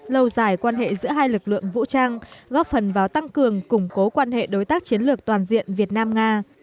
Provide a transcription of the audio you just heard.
lâu dài quan hệ giữa hai lực lượng vũ trang góp phần vào tăng cường củng cố quan hệ đối tác chiến lược toàn diện việt nam nga